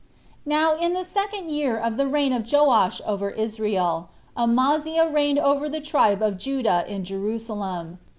1. Now, in the second year of the reign of Joash over Israel, Amaziah reigned over the tribe of Judah in Jerusalem.